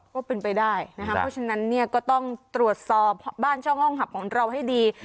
ก็เป็นไปได้นะครับเพราะฉะนั้นเนี่ยก็ต้องตรวจสอบบ้านช่องห้องหับของเราให้ดี